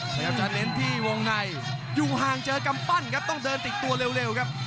พยายามจะเน้นที่วงในอยู่ห่างเจอกำปั้นครับต้องเดินติดตัวเร็วครับ